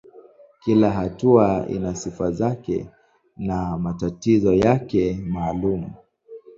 Kila hatua ina sifa zake na matatizo yake maalumu.